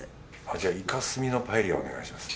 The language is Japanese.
じゃあイカ墨のパエリアお願いします。